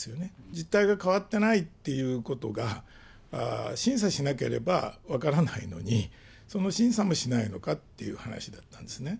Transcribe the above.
実態が変わってないっていうことが、審査しなければ分からないのに、その審査もしないのかっていう話だったんですよね。